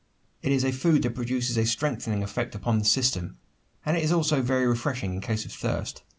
It is a food that produces a strengthening effect upon the system; and is also very refreshing in cases of thirst.